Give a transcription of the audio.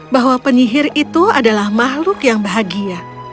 bahwa penyihir itu adalah makhluk yang bahagia